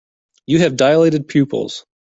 You have dilated pupils.